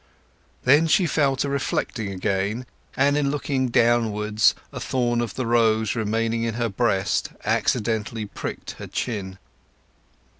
Then she fell to reflecting again, and in looking downwards a thorn of the rose remaining in her breast accidentally pricked her chin.